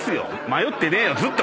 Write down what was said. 迷ってねえよ。